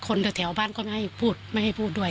คนแถวบ้านก็ไม่ให้พูดด้วย